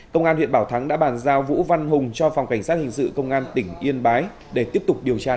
công an huyện bảo thắng đã bàn giao vũ văn hùng cho phòng cảnh sát hình sự công an tỉnh yên bái để tiếp tục điều tra làm